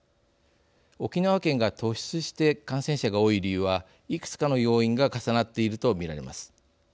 沖縄県が突出して感染者が多い理由はいくつかの要因が重なっていると見られます。